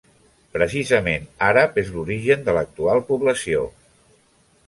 Precisament àrab és l'origen de l'actual població.